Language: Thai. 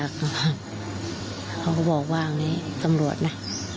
เขาก็บอกว่าตำรวจนะ